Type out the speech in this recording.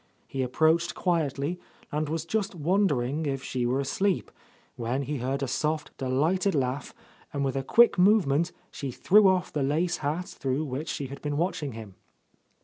He approached quietly and was just wondering if she were asleep, when he heard a soft, delighted laugh, and with a quick — 109—^ A host Lady movement she threw off the lace hat through which she had been watching him.